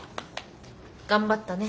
頑張ったね。